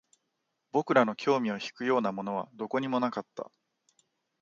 僕らの興味を引くようなものはどこにもなかった